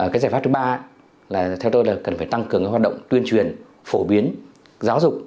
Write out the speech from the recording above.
cái giải pháp thứ ba là theo tôi là cần phải tăng cường hoạt động tuyên truyền phổ biến giáo dục